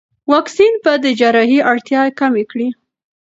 واکسین به د جراحي اړتیا کم کړي.